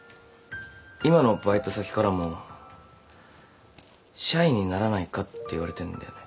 今のバイト先からも社員にならないかって言われてんだよね。